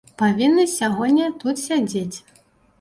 Павінны сягоння тут сядзець.